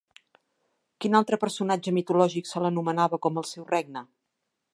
Quin altre personatge mitològic se l'anomenava com el seu regne?